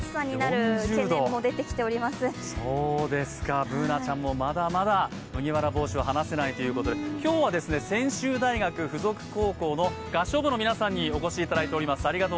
Ｂｏｏｎａちゃんもまだまだ麦わら帽子を手放せないということで、今日は専修大学附属高校の合唱部の皆さんにお越しいただいています。